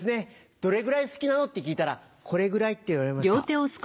「どれぐらい好きなの？」って聞いたら「これぐらい」って言われました。